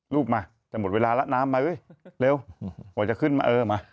ลูกมาเป็นกว่าเวลาแล้วน้ำมาเลยเร็วบ่อยจะขึ้นมาเออมา